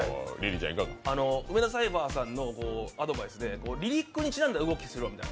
梅田サイファーさんのアドバイスでリリックにちなんだ動きをするんです。